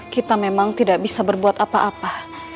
kita memang tidak bisa berbuat apa apa